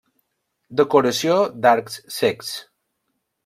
Decoració d'arcs cecs.